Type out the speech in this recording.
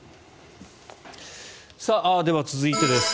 では続いてです。